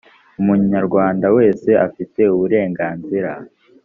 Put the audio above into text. umunyarwanda wese afite uburenganzira .